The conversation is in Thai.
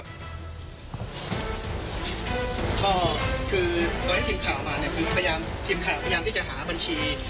ก็คือตอนที่ทีมข่าวมาเนี่ยคือพยายามทีมข่าวพยายามที่จะหาบัญชี